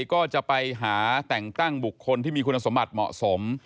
ก็จะไปหาแต่งตั้งบุคคลที่มีคุณสมบัติเหมาะสม